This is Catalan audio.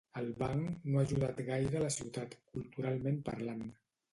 El Banc no ha ajudat gaire a la ciutat, culturalment parlant